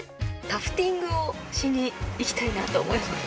◆タフティングをしに行きたいなと思います。